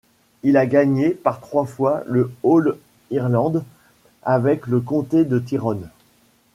Il a gagné par trois fois le All Ireland avec le Comté de Tyrone.